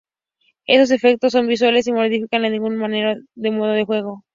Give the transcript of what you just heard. Estos efectos son visuales y no modifican de ninguna manera el modo de juego.